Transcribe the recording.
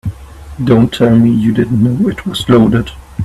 Don't tell me you didn't know it was loaded.